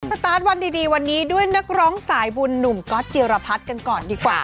สตาร์ทวันดีวันนี้ด้วยนักร้องสายบุญหนุ่มก๊อตจิรพัฒน์กันก่อนดีกว่า